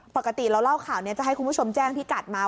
ปกติเราเล่าข่าวนี้จะให้คุณผู้ชมแจ้งพี่กัดมา